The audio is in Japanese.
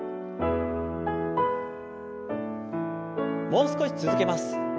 もう少し続けます。